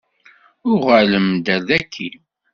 Uɣalem-d ar daki.